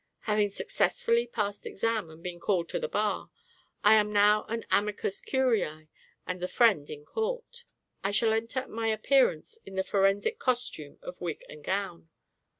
Having successfully passed Exam, and been called to the Bar, I am now an amicus curiæ, and the friend in Court. I shall enter my appearance in the forensic costume of wig and gown.